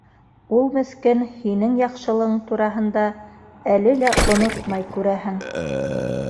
— Ул, меҫкен, һинең яҡшылығың тураһында әле лә онотмай, күрәһең.